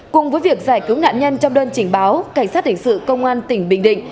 cùng với việc giải cứu nạn nhân trong đơn trình báo cảnh sát hình sự công an tỉnh bình định